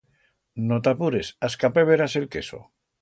No t'apures, a escape verás el queso.